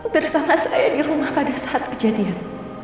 bersama saya di rumah pada saat kejadian